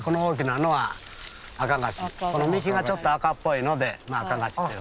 この幹がちょっと赤っぽいのでアカガシっていうんですね。